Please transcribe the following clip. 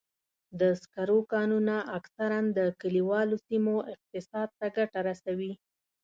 د سکرو کانونه اکثراً د کلیوالو سیمو اقتصاد ته ګټه رسوي.